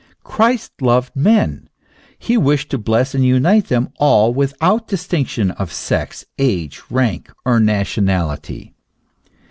Christ loved men : he wished to bless and unite them all without distinction of sex, age, rank, or nationality.